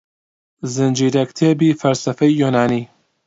زنجیرەکتێبی فەلسەفەی یۆنانی